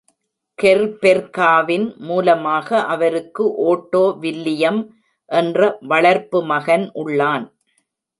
கெர்பெர்காவின் மூலமாக அவருக்கு Otto William என்ற வளர்ப்பு மகன் உள்ளான்.